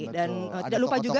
dan tidak lupa juga